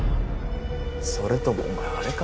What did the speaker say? それともお前あれか？